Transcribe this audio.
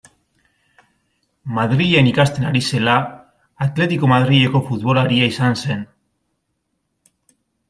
Madrilen ikasten ari zela, Atletico Madrileko futbolaria izan zen.